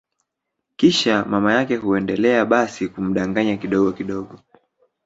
Kisha mama yake huendelea basi kumdanganya kidogo kidogo